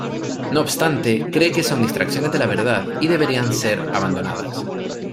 No obstante, cree que son distracciones de la verdad y deberían ser abandonadas.